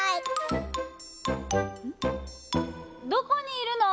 どこにいるの？